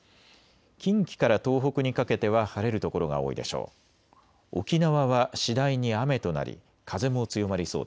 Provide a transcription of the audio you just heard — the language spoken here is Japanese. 近畿から東北にかけては晴れる所が多いでしょう。